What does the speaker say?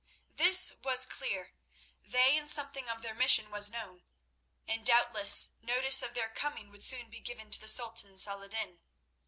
This was clear—they and something of their mission were known, and doubtless notice of their coming would soon be given to the Sultan Saladin.